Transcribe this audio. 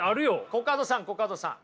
コカドさんコカドさん。